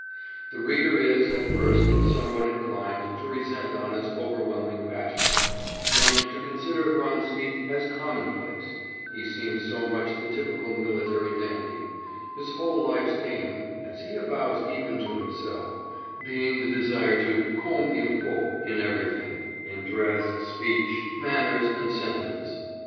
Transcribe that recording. The reader is, at first, somewhat inclined to resent Anna's overwhelming passion, and to consider Vronsky as commonplace, he seems so much the typical military dandy, his whole life's aim (as he avows even to himself) being the desire to be comme il faut in everything in dress, speech, manners, and sentiments.